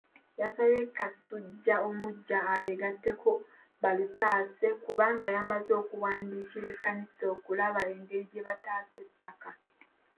Yasabye Kasujja omuggya abeegatteko balutaase kubanga yamaze okuwandiikira ekkanisa okulaba engeri gy'etaasa ettaka.